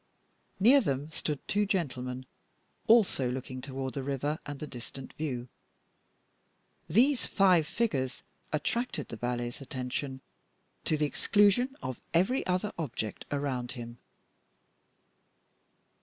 Near them stood two gentlemen, also looking toward the river and the distant view. These five figures attracted the valet's attention, to the exclusion of every other object around him.